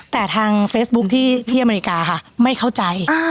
แต่ทางเฟซบุ๊คที่อเมริกาค่ะไม่เข้าใจ